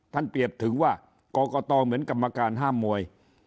เปรียบถึงว่ากรกตเหมือนกรรมการห้ามมวย